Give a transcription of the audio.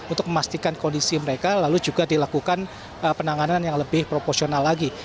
untuk memastikan kondisi mereka lalu juga dilakukan penanganan yang lebih proporsional lagi